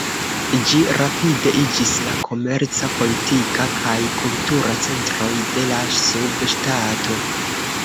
Ĝi rapide iĝis la komerca, politika, kaj kultura centroj de la subŝtato.